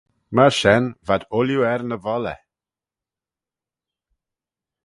Myr shen v'ad ooilley er ny volley.